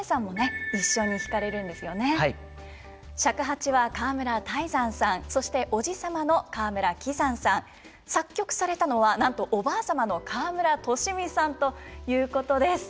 尺八は川村泰山さんそして叔父様の川村葵山さん作曲されたのはなんとおばあ様の川村利美さんということです。